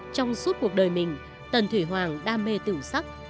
trong suốt cuộc đời mình tần thủy hoàng đam mê tựu sắc